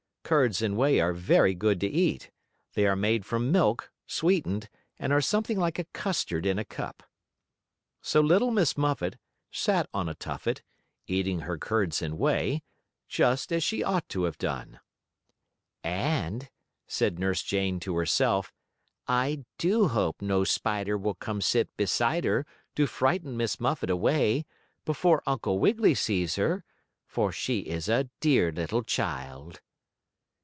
Curds and whey are very good to eat. They are made from milk, sweetened, and are something like a custard in a cup. So little Miss Muffet, sat on a tuffet, eating her curds and whey, just as she ought to have done. "And," said Nurse Jane to herself, "I do hope no spider will come sit beside her to frighten Miss Muffet away, before Uncle Wiggily sees her, for she is a dear little child."